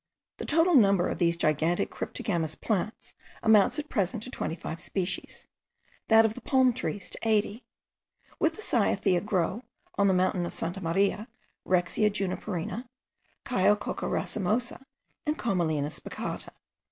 The total number of these gigantic cryptogamous plants amounts at present to 25 species, that of the palm trees to 80. With the cyathea grow, on the mountain of Santa Maria, Rhexia juniperina, Chiococca racemosa, and Commelina spicata.)